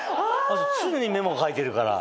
常にメモ書いてるから。